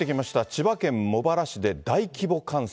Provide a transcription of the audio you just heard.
千葉県茂原市で大規模冠水。